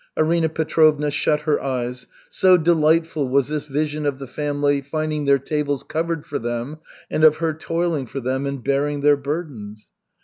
Arina Petrovna shut her eyes, so delightful was this vision of the family finding their tables covered for them and of her toiling for them and bearing their burdens.